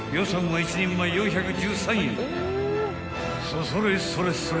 ［そそれそれそれ